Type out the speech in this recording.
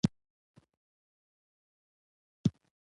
بلکې د دې تعبير تر پستو او مهينو جزيىاتو پورې